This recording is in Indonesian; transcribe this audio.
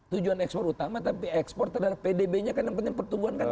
tujuan ekspor utama tapi ekspor terhadap pdb nya kan yang penting pertumbuhan kan